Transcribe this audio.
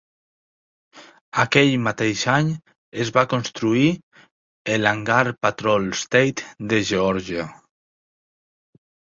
Aquell mateix any, es va construir el Hangar Patrol State de Geòrgia.